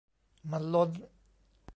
มันล้น